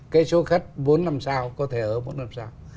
cái số khách bốn năm sao có thể ở bốn năm sao